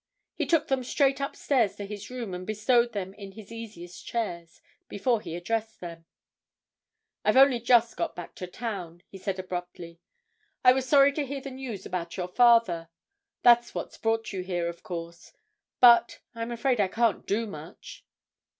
He took them straight upstairs to his room and bestowed them in his easiest chairs before he addressed them. "I've only just got back to town," he said abruptly. "I was sorry to hear the news about your father. That's what's brought you here, of course. But—I'm afraid I can't do much."